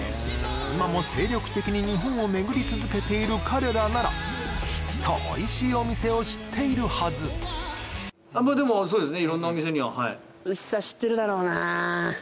今も精力的に日本を巡り続けている彼らならきっとおいしいお店を知っているはずまっでもそうですね